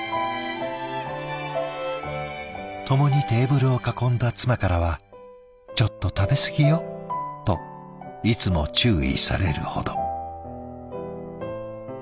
共にテーブルを囲んだ妻からは「ちょっと食べ過ぎよ」といつも注意されるほど。